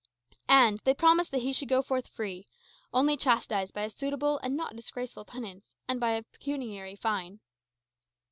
And they promised that he should go forth free, only chastised by a suitable and not disgraceful penance, and by a pecuniary fine.